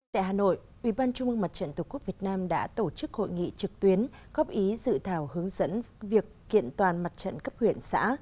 tại hà nội ubndtqvn đã tổ chức hội nghị trực tuyến góp ý dự thảo hướng dẫn việc kiện toàn mặt trận cấp huyện xã